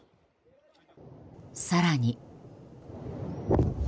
更に。